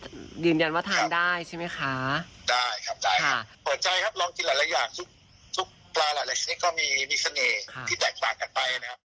หัวใจครับลองกินหลายอย่างทุกปลาหลายชนิดก็มีเซนต์ที่แตกบางกันไป